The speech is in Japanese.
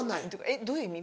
「えっどういう意味？」